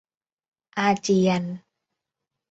อาเจียน